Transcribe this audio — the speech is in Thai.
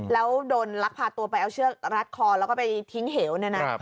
แล้วโดนลักพาตัวไปเอาเชือกรัดคอแล้วก็ไปทิ้งเหวเนี่ยนะ